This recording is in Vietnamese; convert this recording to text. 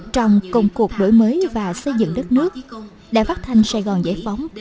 trong cùng cuộc đổi mới và xây dựng đất nước đại phát thanh sài gòn giải phóng